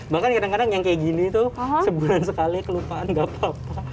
bahkan kadang kadang yang kayak gini tuh sebulan sekali kelupaan gak apa apa